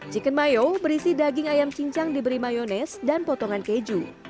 chicken mayo berisi daging ayam cincang diberi mayonese dan potongan keju